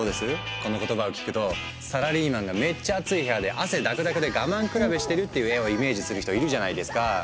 この言葉を聞くとサラリーマンがめっちゃアツい部屋で汗だくだくで我慢比べしてるっていう絵をイメージする人いるじゃないですか。